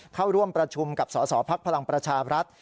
เข้าร่วมประชุมกับสพพรัฐ